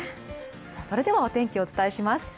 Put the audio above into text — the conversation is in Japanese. それではお天気をお伝えします。